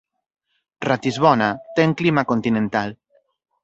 Ratisbona ten clima continental.